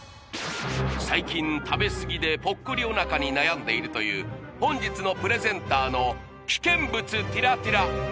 最近食べ過ぎでポッコリおなかに悩んでいるという本日のプレゼンターの危険物てぃらてぃら